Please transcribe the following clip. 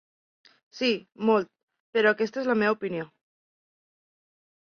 Sí, molt, però aquesta és la meva opinió.